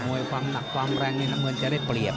วยความหนักความแรงในน้ำเงินจะได้เปรียบ